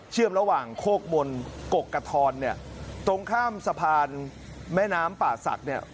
ระหว่างโคกมนต์กกะทอนเนี่ยตรงข้ามสะพานแม่น้ำป่าศักดิ์เนี่ย